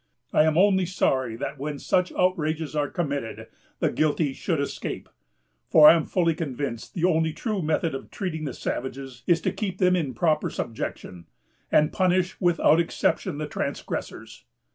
I am only sorry that when such outrages are committed, the guilty should escape; for I am fully convinced the only true method of treating the savages is to keep them in proper subjection, and punish, without exception, the transgressors....